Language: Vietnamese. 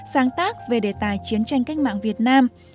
sáng tác về đề tài chiến tranh cách mạng việt nam